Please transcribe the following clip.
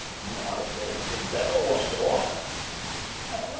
"Not if anything better was to offer."